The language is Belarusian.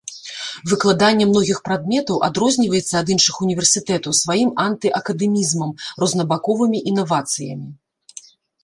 Выкладанне многіх прадметаў адрозніваецца ад іншых універсітэтаў сваім анты-акадэмізмам, рознабаковымі інавацыямі.